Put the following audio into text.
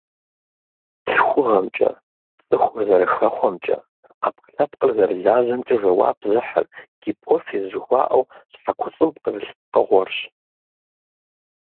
ЛъхугъэмкӀэ, цӀыхур зэрыхэхъуэмкӀэ, Ӏэпкълъэпкъыр зэрылажьэмкӀэ жэуап зыхьыр гипофиз жыхуаӀэу, щхьэкуцӀым пкъырылъ пкъыгъуэрщ.